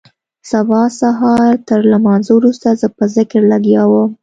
سبا سهارتر لمانځه وروسته زه په ذکر لگيا وم.